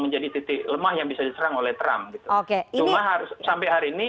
menjadi titik lemah yang bisa diserang oleh trump